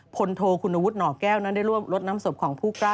พลโทคุณวุฒิหน่อแก้วนั้นได้ร่วมลดน้ำศพของผู้กล้า